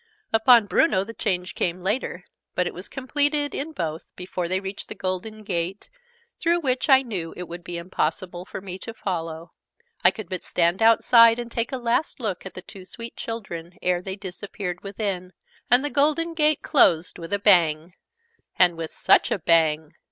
Upon Bruno the change came later: but it was completed in both before they reached the golden gate, through which I knew it would be impossible for me to follow. I could but stand outside, and take a last look at the two sweet children, ere they disappeared within, and the golden gate closed with a bang. And with such a bang!